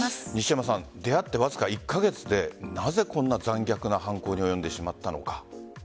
出会ってわずか１カ月でなぜ、こんな残虐な犯行に及んでしまったのか。